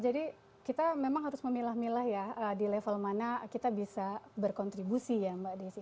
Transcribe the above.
jadi kita memang harus memilah milah ya di level mana kita bisa berkontribusi ya mbak desi